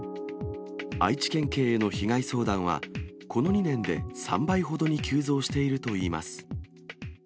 愛知県警への被害相談は、この２年で３倍ほどに急増しているといいます。